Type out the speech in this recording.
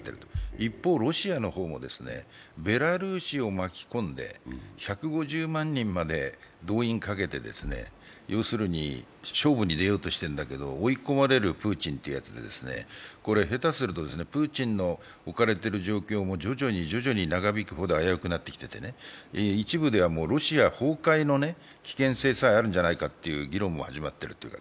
一方、ロシアの方も、ベラルーシを巻き込んで１５０万人まで動員かけて勝負に出ようとしてるんだけど追い込まれるプーチンというやつで、下手するとプーチンの置かれている状況も徐々に徐々に長引くほど危うくなってきていて、一部ではロシア崩壊の可能性もあるんじゃないかという議論も始まっている。